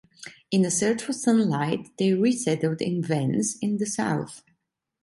In a "search for sunlight" they re-settled in Vence in the south.